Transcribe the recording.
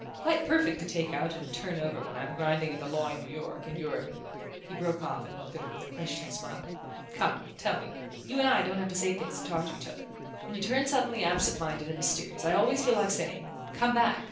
Quite perfect to take out and turn over when I'm grinding at the law in New York, and you're " He broke off and looked at her with a questioning smile. "Come! Tell me. You and I don't have to say things to talk to each other. When you turn suddenly absentminded and mysterious I always feel like saying: 'Come back.